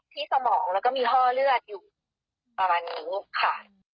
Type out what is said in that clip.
สมองแล้วก็มีห้อเลือดอยู่ประมาณนี้ค่ะ